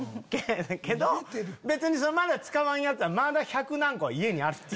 けど別にまだ使わんやつはまだ１００何個家にある。